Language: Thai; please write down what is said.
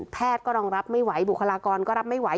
ก็รองรับไม่ไหวบุคลากรก็รับไม่ไหว